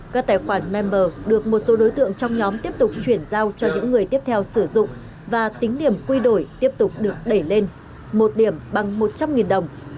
các tài khoản member được một số đối tượng trong nhóm tiếp tục chuyển giao cho những người tiếp theo sử dụng và tính điểm quy đổi tiếp tục được đẩy lên một điểm bằng một trăm linh đồng